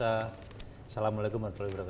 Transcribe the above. assalamu'alaikum warahmatullahi wabarakatuh